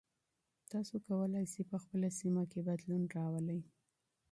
تاسو کولای سئ په خپله سیمه کې بدلون راولئ.